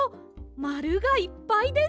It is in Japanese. まるがいっぱいです！